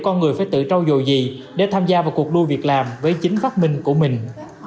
con người phải tự trao dồi gì để tham gia vào cuộc đua việc làm với chính phát minh của mình